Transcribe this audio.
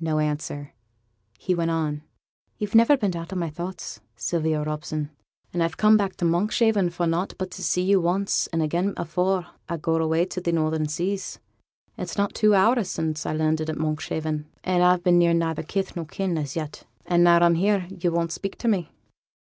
No answer. He went on: 'Yo've never been out o' my thoughts, Sylvia Robson; and I'm come back to Monkshaven for nought but to see you once and again afore I go away to the northern seas. It's not two hour sin' I landed at Monkshaven, and I've been near neither kith nor kin as yet; and now I'm here you won't speak to me.'